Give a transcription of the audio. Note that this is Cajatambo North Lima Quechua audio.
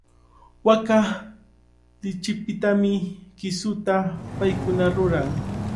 Waaka lichipitami kisuta paykuna ruran.